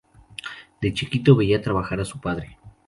De chiquito veía trabajar a su padre.